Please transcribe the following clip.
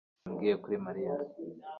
Tom ntacyo yambwiye kuri Mariya